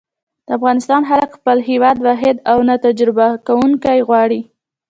د افغانستان خلک خپل هېواد واحد او نه تجزيه کېدونکی غواړي.